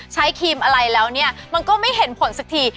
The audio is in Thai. ครีมอะไรแล้วเนี่ยมันก็ไม่เห็นผลสักที